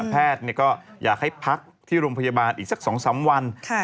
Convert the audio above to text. แพทย์ก็อยากให้พักที่โรงพยาบาลอีกสัก๒๓วัน